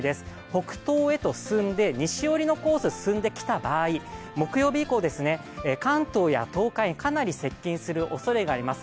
北東へと進んで、西寄りのコースを進んできた場合、木曜日以降、関東や東海、かなり接近するおそれがあります。